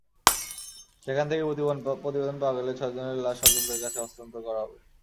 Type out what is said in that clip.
সেখান থেকে প্রতিবেদন পাওয়া গেলে ছয়জনের লাশ স্বজনদের কাছে হস্তান্তর করা হবে।